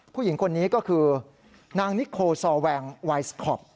ผู้หญิงคนนี้ก็คือนางนิโคซอแวงไวสคอป